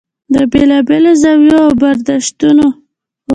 د بېلا بېلو زاویو او برداشتونو و.